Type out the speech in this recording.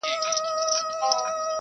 غر وو او که دښته وه که لاره زنداباد